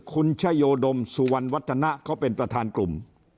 คุณชโยดมสุวรรณวัฒนะเขาเป็นประธานกลุ่ม